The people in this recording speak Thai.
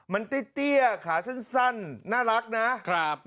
มันเตี้ยขาเส้นน่ารักนะ